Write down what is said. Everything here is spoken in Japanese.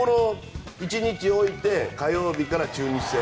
１日置いて火曜日から中日戦。